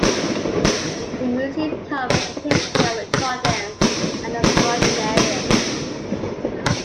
The museum covers the history of Trondenes and the surrounding areas.